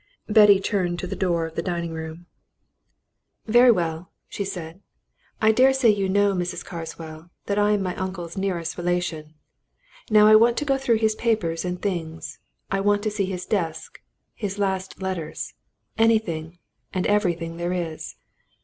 Betty turned to the door of the dining room. "Very well," she said. "I dare say you know, Mrs. Carswell, that I am my uncle's nearest relation. Now I want to go through his papers and things. I want to see his desk his last letters anything and everything there is."